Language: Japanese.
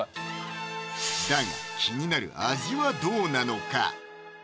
だが気になる味はどうなのか？